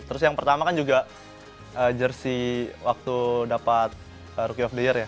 terus yang pertama kan juga jersi waktu dapat rookie of the year ya